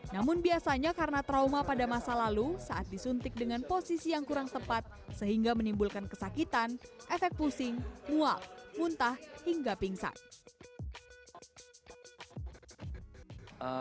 namun biasanya karena trauma pada masa lalu saat disuntik dengan posisi yang kurang tepat sehingga menimbulkan kesakitan efek pusing mual muntah hingga pingsan